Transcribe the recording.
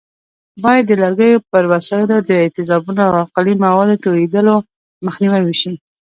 باید د لرګیو پر وسایلو د تیزابونو او القلي موادو توېدلو مخنیوی وشي.